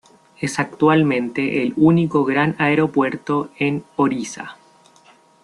Es actualmente el único gran aeropuerto en Orissa.